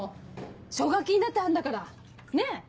奨学金だってあんだからねぇ。